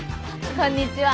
こんにちは。